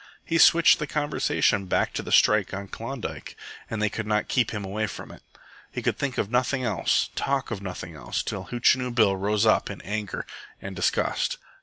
He switched the conversation back to the strike on Klondike, and they could not keep him away from it. He could think of nothing else, talk of nothing else, till Hootchinoo Bill rose up in anger and disgust.